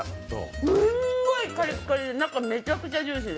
すんごいカリカリで中めっちゃジューシー。